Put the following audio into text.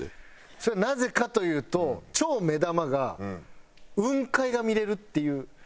それはなぜかというと超目玉が雲海が見れるっていう。